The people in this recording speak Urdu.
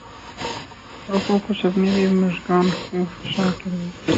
رکھوں کچھ اپنی بھی مژگان خوں فشاں کے لیے